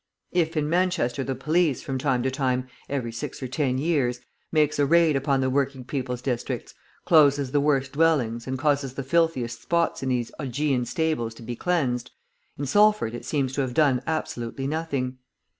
If, in Manchester, the police, from time to time, every six or ten years, makes a raid upon the working people's districts, closes the worst dwellings, and causes the filthiest spots in these Augean stables to be cleansed, in Salford it seems to have done absolutely nothing.